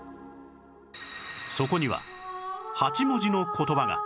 そこには８文字の言葉が